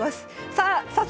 さあ早速。